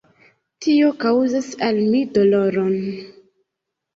Tio kaŭzas al mi doloron.